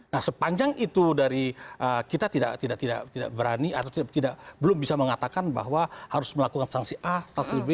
nah sepanjang itu dari kita tidak berani atau belum bisa mengatakan bahwa harus melakukan sanksi a sanksi b